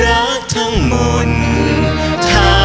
รักทั้งหมุนทั้งสินที่ได้ย้อน